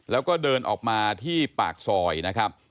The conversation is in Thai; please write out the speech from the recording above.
แล้วก็เดินออกมาที่ปากซอยนะครับ